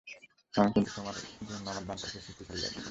আমি কিন্তু তোমার জন্য আমার ডান পাশের সিটটি খালি রাখবো।